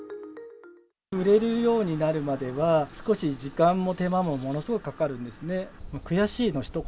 売れるようになるまでは、少し時間も手間も、ものすごくかかるんですね。